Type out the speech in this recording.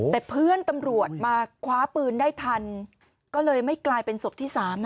แต่เพื่อนตำรวจมาคว้าปืนได้ทันก็เลยไม่กลายเป็นศพที่๓